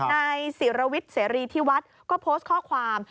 นายศิรวิทย์เสรีที่วัดก็โพสต์ข้อความ